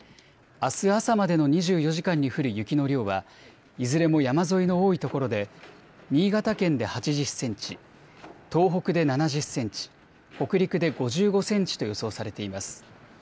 あす朝までの２４時間に降る雪の量はいずれも山沿いの多い所で新潟県で８０センチ、東北で７０センチ、北陸で５５センチと予想されています。